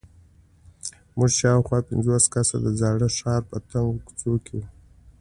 موږ شاوخوا پنځوس کسه د زاړه ښار په تنګو کوڅو کې وو.